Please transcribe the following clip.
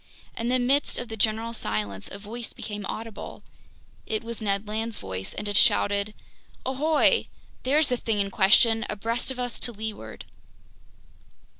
In the midst of the general silence, a voice became audible. It was Ned Land's voice, and it shouted: "Ahoy! There's the thing in question, abreast of us to leeward!"